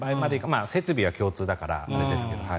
設備は共通だからあれですけど。